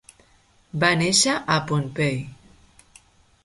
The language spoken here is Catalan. Va néixer a Pohnpei.